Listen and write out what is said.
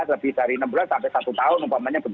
lebih dari enam belas sampai satu tahun